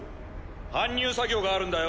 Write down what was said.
搬入作業があるんだよ。